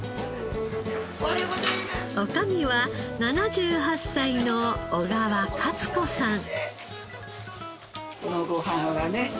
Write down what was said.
女将は７８歳の小川勝子さん。